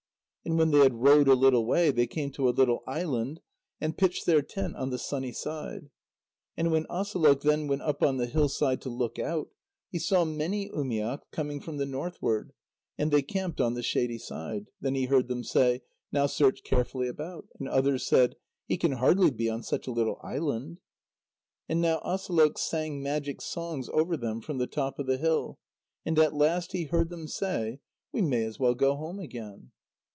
And when they had rowed a little way, they came to a little island, and pitched their tent on the sunny side. And when Asalôq then went up on the hillside to look out, he saw many umiaks coming from the northward, and they camped on the shady side. Then he heard them say: "Now search carefully about." And others said: "He can hardly be on such a little island." And now Asalôq sang magic songs over them from the top of the hill, and at last he heard them say: "We may as well go home again."